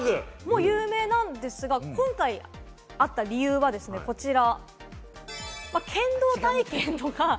それも有名なんですが、今回あった理由がこちら。